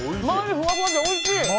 ふわふわでおいしい！